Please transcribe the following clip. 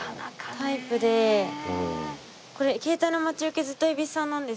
タイプでこれ携帯の待ち受けずっと蛭子さんなんです。